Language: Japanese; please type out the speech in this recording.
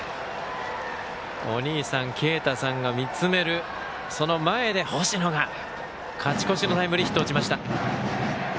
お兄さんが見つめるその前で星野が勝ち越しのタイムリーヒットを打ちました。